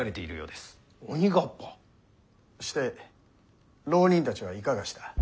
して浪人たちはいかがした？